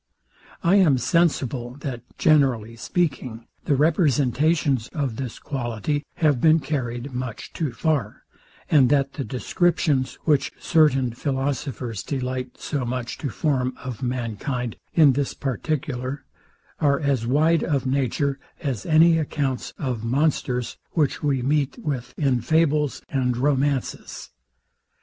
I am sensible, that generally speaking, the representations of this quality have been carried much too far; and that the descriptions, which certain philosophers delight so much to form of mankind in this particular, are as wide of nature as any accounts of monsters, which we meet with in fables and romances.